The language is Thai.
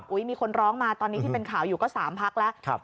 มีคนร้องมาตอนนี้ที่เป็นข่าวอยู่ก็๓พักแล้ว